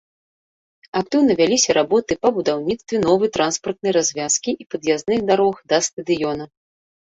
Актыўна вяліся работы па будаўніцтве новай транспартнай развязкі і пад'язных дарог да стадыёна.